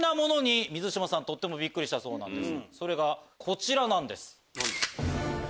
それがこちらなんです。